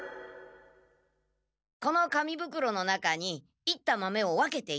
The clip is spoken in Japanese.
この紙ぶくろの中にいった豆を分けて入れるんだ。